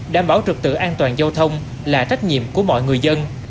đảm bảo trực tự an toàn giao thông là trách nhiệm của mọi người dân